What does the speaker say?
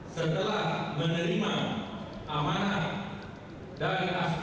maka dengan ini saya mengatakan